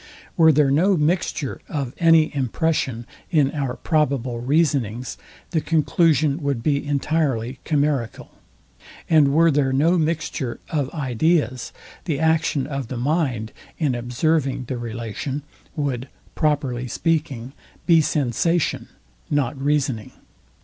Were there no mixture of any impression in our probable reasonings, the conclusion would be entirely chimerical: And were there no mixture of ideas, the action of the mind, in observing the relation, would, properly speaking, be sensation, not reasoning.